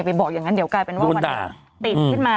บอกอย่างนั้นเดี๋ยวกลายเป็นว่ามันติดขึ้นมา